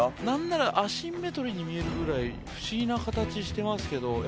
何ならアシンメトリーに見えるぐらい不思議な形してますけど。